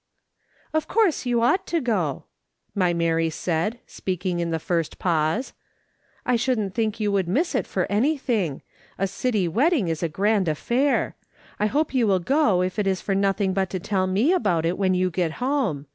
" Of course you ought to go," my Mary said, speaking in the first pause ;" I shouldn't think you would miss it for anything ; a city wedding is a grand affair. I hope you will go if it is for nothing ]3ut to tell me about it when you get home.